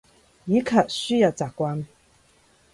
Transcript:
以及輸入習慣